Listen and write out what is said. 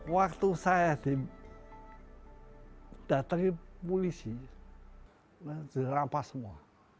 waktu saya datang ke polisi saya dirampas semua